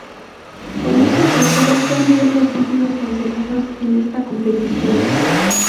Con este trofeo son diez los títulos conseguidos en esta competición.